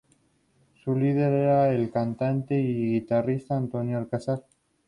Su líder era el cantante y guitarrista Antonio Alcázar.